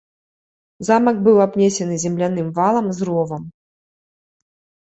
Замак быў абнесены земляным валам з ровам.